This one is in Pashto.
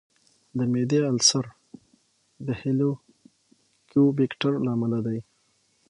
د معدې السر د هیليکوبیکټر له امله دی.